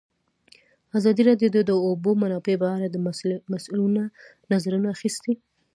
ازادي راډیو د د اوبو منابع په اړه د مسؤلینو نظرونه اخیستي.